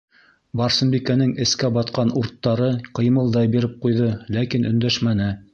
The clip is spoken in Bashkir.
- Барсынбикәнең эскә батҡан урттары ҡыймылдай биреп ҡуйҙы, ләкин өндәшмәне.